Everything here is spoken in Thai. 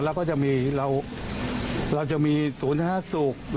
เราก็จะมีเราจะมีศูนย์ท่าศูกร์